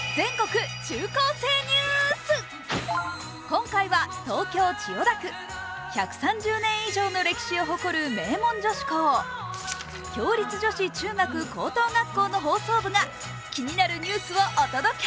今回は東京・千代田区、１３０年以上の歴史を誇る名門女子校共立女子中学高等学校の放送部が気になるニュースをお届け。